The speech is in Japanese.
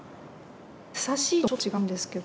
優しいともちょっと違うんですけど。